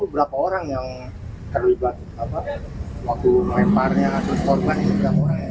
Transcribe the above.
itu berapa orang yang terlibat waktu melemparnya kasus korban ini